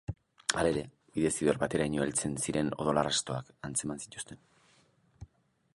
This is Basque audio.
Halere, bidezidor bateraino heltzen ziren odol arrastoak atzeman zituzten.